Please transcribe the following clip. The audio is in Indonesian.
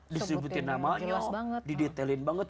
disebutin namanya didetailin banget